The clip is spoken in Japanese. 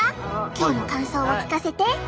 今日の感想を聞かせて。